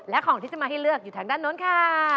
และของที่จะมาให้เลือกอยู่ทางด้านโน้นค่ะ